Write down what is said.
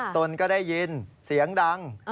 ตนก็ได้ยินเสียงดัง